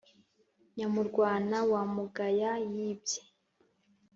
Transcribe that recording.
Nyamurwana wa Mugaya yi bye